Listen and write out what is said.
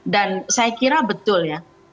dan saya kira betul ya